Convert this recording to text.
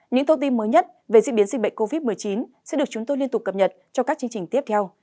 những thông tin mới nhất về diễn biến dịch bệnh covid một mươi chín sẽ được chúng tôi liên tục cập nhật trong các chương trình tiếp theo